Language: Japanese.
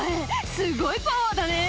すごいパワーだね」